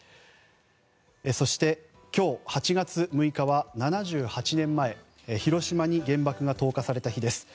そして、今日８月６日は７８年前広島に原爆が投下された日です。